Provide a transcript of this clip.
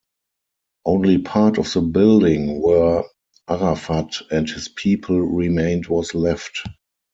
Only part of the building where Arafat and his people remained was left.